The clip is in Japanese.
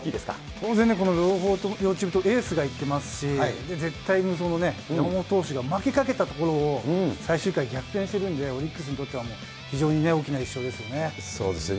当然ね、両チームともエースがいってますし、絶対に山本投手が負けかけたところを、最終回、逆転してるんで、オリックスにとってはもう、非常に大きな１勝ですよね。